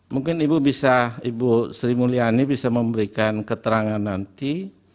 mungkin ibu bisa ibu sri mulyani bisa memberikan keterangan nanti